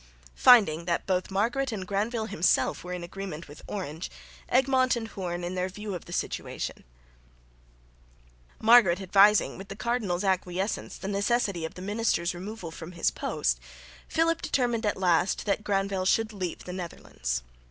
Finding that both Margaret and Granvelle himself were in agreement with Orange, Egmont and Hoorn in their view of the situation, Margaret advising, with the cardinal's acquiescence, the necessity of the minister's removal from his post, Philip determined at last that Granvelle should leave the Netherlands.